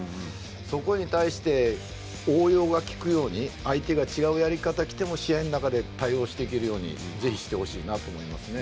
そこに対して応用がきくように相手が違うやり方で来ても試合の中で対応していけるようにぜひしてほしいなと思いますね。